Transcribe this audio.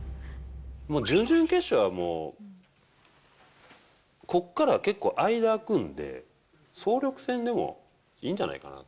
準々決勝はもう、ここから結構、間空くんで、総力戦でもいいんじゃないかなと。